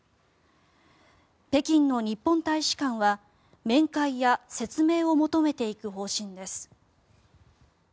北京の日本大使館は面会や説明を求めていく方針です。